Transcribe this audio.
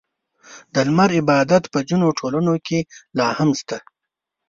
• د لمر عبادت په ځینو ټولنو کې لا هم شته.